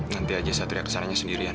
nanti aja satria kesaranya sendirian